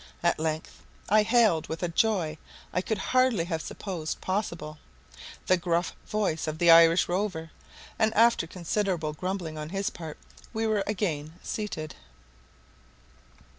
At length I hailed, with a joy I could hardly have supposed possible, the gruff voice of the Irish rower, and, after considerable grumbling on his part, we were again seated.